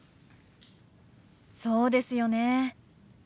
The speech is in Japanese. そうですよね。